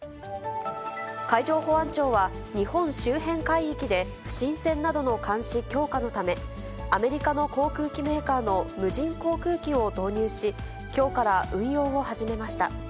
海上保安庁は、日本周辺海域で、不審船などの監視強化のため、アメリカの航空機メーカーの無人航空機を導入し、きょうから運用を始めました。